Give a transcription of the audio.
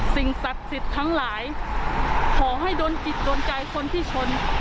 สิ่งศักดิ์สิทธิ์ทั้งหลายขอให้โดนจิตโดนใจคนที่ชน